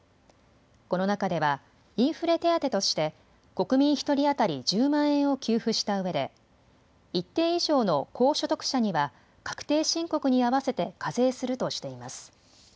この中ではインフレ手当として国民１人当たり１０万円を給付したうえで一定以上の高所得者には確定申告に合わせて課税するとしています。